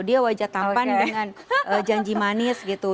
dia wajah tampan dengan janji manis gitu